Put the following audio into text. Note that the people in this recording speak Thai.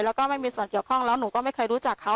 แล้วก็ไม่มีส่วนเกี่ยวข้องแล้วหนูก็ไม่เคยรู้จักเขา